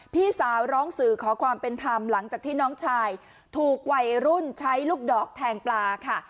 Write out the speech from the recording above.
พี่สาวร้องสื่อขอความเป็นธรรมหลังจากที่น้องชายถูกวัยรุ่นใช้ลูกดอกแทงปลาค่ะ